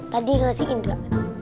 tadi kasih indra